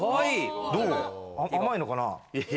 甘いのかな？